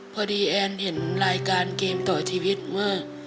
พอดีแอนเห็นรายการเกมต่อชีวิตเมื่อ